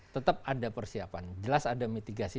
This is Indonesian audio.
tetap ada persiapan jelas ada mitigasi